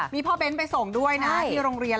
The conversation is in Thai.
มีพ่อเน้นไปส่งด้วยนะที่โรงเรียน